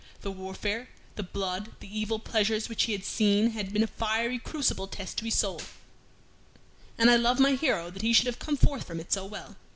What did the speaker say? The warfare, the blood, the evil pleasures which he had seen had been a fiery, crucible test to his soul, and I love my hero that he should have come forth from it so well.